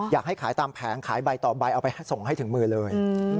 อยากให้ขายตามแผงขายใบต่อใบเอาไปส่งให้ถึงมือเลย